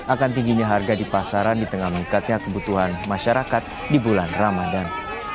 akan tingginya harga di pasaran di tengah meningkatnya kebutuhan masyarakat di bulan ramadan